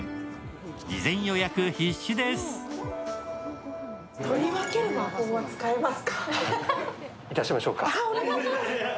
事前予約必至です。